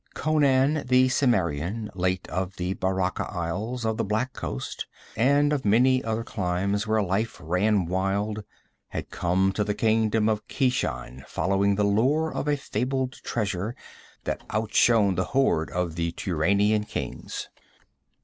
Conan the Cimmerian, late of the Baracha Isles, of the Black Coast, and of many other climes where life ran wild, had come to the kingdom of Keshan following the lure of a fabled treasure that outshone the hoard of the Turanian kings.